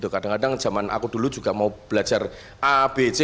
kadang kadang zaman aku dulu juga mau belajar a b c